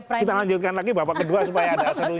kita lanjutkan lagi bapak kedua supaya ada solusi